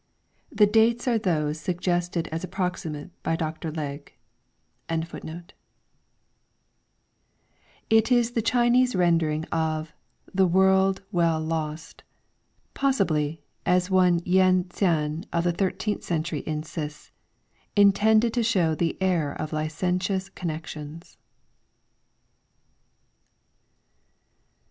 The dates are those suggested as approximate by Dr. Legge. xiv Written in b.c. 718. It is the Chinese rendering of 'the world well lost.' Possibly, as one Yen Ts'an of the thirteenth century insists, 'intended to show the error of licentious connections.'